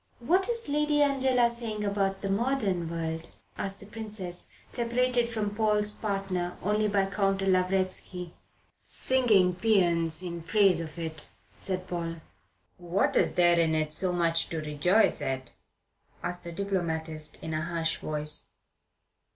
"What is Lady Angela saying about the modern world?" asked the Princess, separated from Paul's partner only by Count Lavretsky. "Singing paeans in praise of it," said Paul. "What is there in it so much to rejoice at?" asked the diplomatist, in a harsh voice.